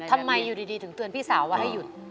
ทำไมอยู่ดีถึงเตือนพี่สาวว่าให้หยุด